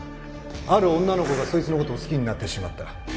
ある女の子がそいつの事を好きになってしまった。